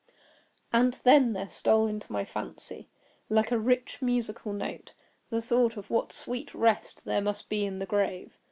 And then there stole into my fancy, like a rich musical note, the thought of what sweet rest there must be in the grave.